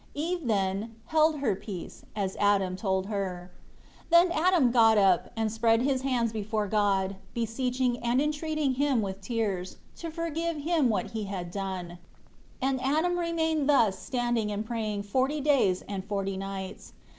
Eve, then, held her peace, as Adam told her. 6 Then Adam got up, and spread his hands before God, beseeching and entreating Him with tears, to forgive him what he had done. And Adam remained thus standing and praying forty days and forty nights.